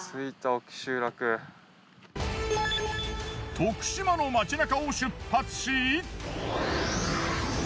徳島の街中を出発し。